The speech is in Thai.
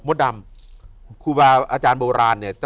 โมดรรมอาจารย์โบราณเนี่ย